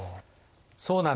そうなんだ。